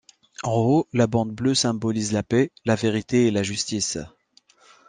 En haut, la bande bleue symbolise la paix, la vérité et la justice.